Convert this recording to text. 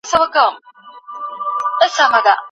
سرمایه داري نظام د عدل خلاف دی.